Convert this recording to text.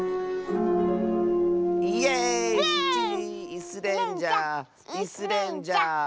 イスレンジャーイスレンジャー！